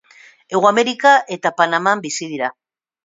Hego Amerika eta Panaman bizi dira.